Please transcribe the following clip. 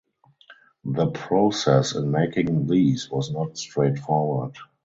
The process in making these was not straight forward.